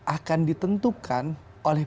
akan ditentukan oleh